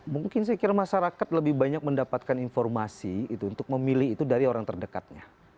mungkin saya kira masyarakat lebih banyak mendapatkan informasi itu untuk memilih itu dari orang terdekatnya